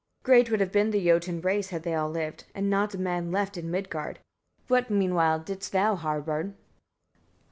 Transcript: Great would have been the Jotun race, had they all lived; and not a man left in Midgard. What meanwhile didst thou, Harbard?